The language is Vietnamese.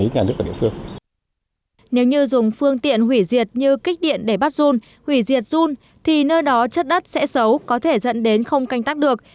nếu dùng phương tiện hủy diệt như kích điện để bắt run hủy diệt run thì nơi đó chất đất sẽ xấu có thể dẫn đến không canh tác được